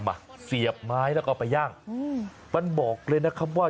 หมูหมักปลาร้า